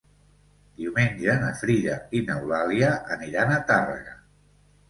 Diumenge na Frida i n'Eulàlia aniran a Tàrrega.